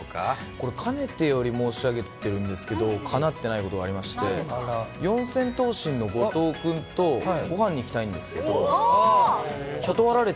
これ、かねてより申し上げてるんですけど、かなってないことがありまして、四千頭身の後藤君とごはんに行きたいんですけど、えっ？